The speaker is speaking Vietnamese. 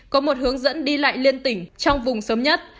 có một hướng dẫn đi lại liên tỉnh trong vùng sớm nhất